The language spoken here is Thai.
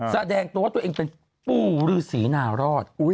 แสดงตัวตัวเองเป็นปู่รือสีนาลอด